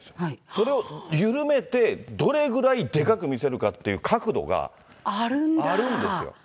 それを緩めて、どれぐらいでかく見せるかっていう角度があるんですよ。